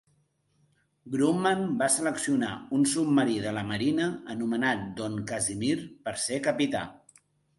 Grumman va seleccionar un submarí de la Marina anomenat Don Kazimir per ser capità.